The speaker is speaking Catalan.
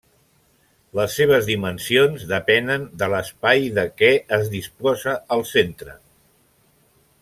Les seves dimensions depenen de l'espai de què es disposa al centre.